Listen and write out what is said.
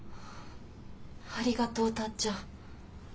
ありがとうタッちゃん。